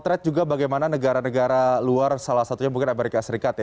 terkait juga bagaimana negara negara luar salah satunya mungkin amerika serikat ya